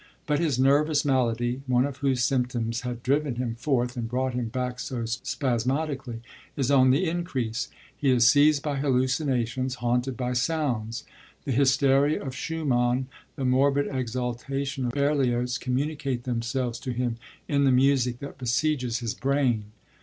But his nervous malady, one of whose symptoms had driven him forth and brought him back so spasmodically, is on the increase. He is seized by hallucinations, haunted by sounds: the hysteria of Schumann, the morbid exaltation of Berlioz, communicate themselves to him in the music that besieges his brain.